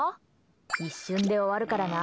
一瞬で終わるからな。